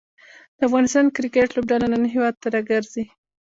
د افغانستان کریکټ لوبډله نن هیواد ته راګرځي.